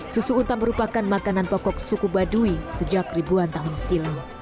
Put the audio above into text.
susu unta merupakan makanan pokok suku baduy sejak ribuan tahun silam